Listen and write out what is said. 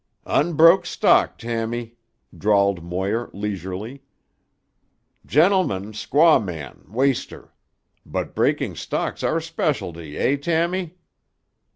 "Unbroke stock, Tammy," drawled Moir leisurely. "Gentleman, squaw man, waster. But breaking stock's our specialty, eh, Tammy?"